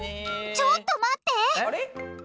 ちょっと待って！